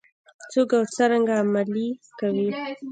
څوک او څرنګه عملي کوي؟